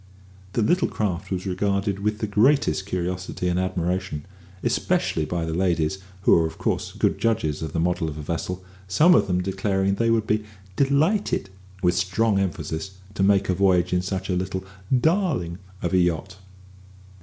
The little craft was regarded with the greatest curiosity and admiration, especially by the ladies (who are of course good judges of the model of a vessel), some of them declaring that they would be delighted (with strong emphasis) to make a voyage in such a little darling of a yacht.